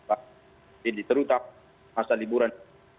jadi terutama masa liburan